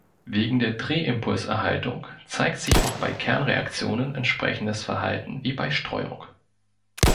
Wegen der Drehimpulserhaltung zeigt sich auch bei Kernreaktionen entsprechendes Verhalten wie bei Streuung.